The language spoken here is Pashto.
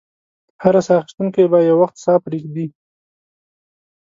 هر ساه اخیستونکی به یو وخت ساه پرېږدي.